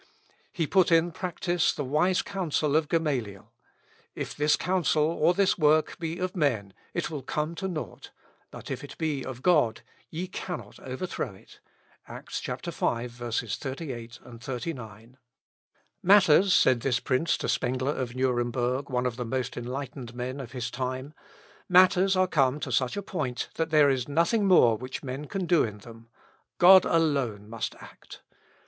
He put in practice the wise counsel of Gamaliel, "If this counsel or this work be of men, it will come to nought; but if it be of God ye cannot overthrow it." Acts, v, 38, 39. "Matters," said this prince to Spengler of Nuremberg, one of the most enlightened men of his time; "matters are come to such a point, that there is nothing more which men can do in them; God alone must act.